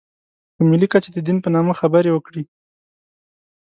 په ملي کچه د دین په نامه خبرې وکړي.